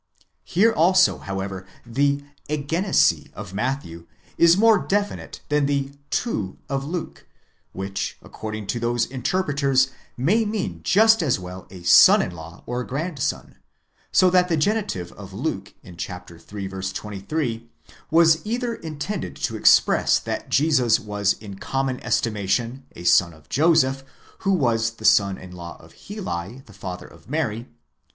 Here also, however, the ἐγέννησε of Matthew is more definite than the τοῦ of Luke, which accord ing to those interpreters may mean just as well a son in law or grandson; so that the genitive of Luke in iii. 23 was either intended to express that Jesus was in common estimation a son of Joseph, who was the son in law of Heli, the father of Mary